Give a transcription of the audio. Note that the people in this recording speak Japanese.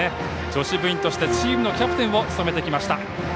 女子部員として、チームのキャプテンを務めてきました。